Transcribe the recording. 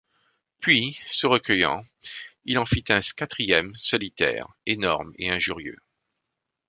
Puis, se recueillant, il en fit un quatrième, solitaire, énorme et injurieux.